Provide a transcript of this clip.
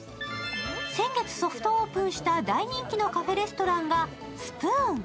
先月、ソフトオープンした大人気のカフェレストランがｓｐｏｏｎ。